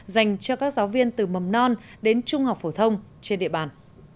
dành cho các giáo viên từ mầm non đến trung học phổ thông trên địa bàn